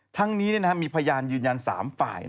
ทั้งนี้มีพยานยืนยัน๓ฝ่าย